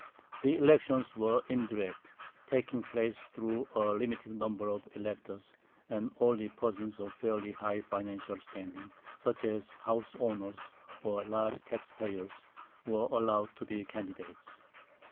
The elections were indirect, taking place through a limited number of electors, and only persons of fairly high financial standing, such as house owners or large tax payers, were allowed to be candidates.